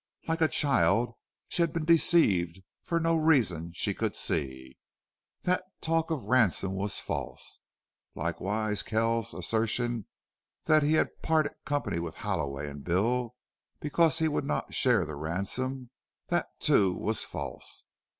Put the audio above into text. Like a child she had been deceived, for no reason she could see. That talk of ransom was false. Likewise Kells's assertion that he had parted company with Halloway and Bill because he would not share the ransom that, too, was false.